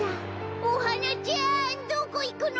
おハナちゃんどこいくの？